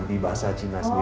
di bahasa cina sendiri